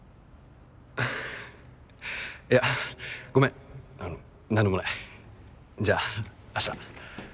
いやごめん何でもない。じゃあ明日。